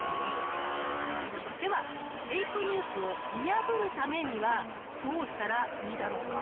ではフェイクニュースを見破るためにはどうしたらいいだろうか？